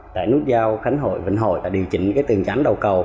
đại nút giao khánh hội vĩnh hội điều chỉnh tường tránh đầu cầu